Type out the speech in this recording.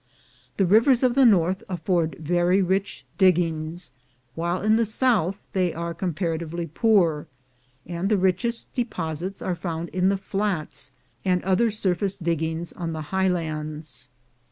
The rivers A MOUNTAIN OF GOLD 291 of the north afford very rich diggings, while in the south they are comparatively poor, and the richest de posits are found in the flats and other surface diggings on the highlands.